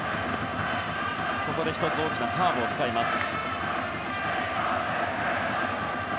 ここで１つ大きなカーブを使いました。